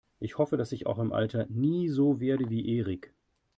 Ich hoffe, dass ich auch im Alter nie so werde wie Erik.